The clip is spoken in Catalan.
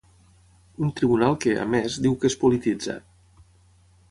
Un tribunal que, a més, diu que és polititzat.